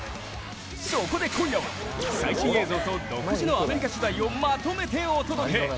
そこで今夜は最新映像と独自のアメリカ取材をまとめてお届け！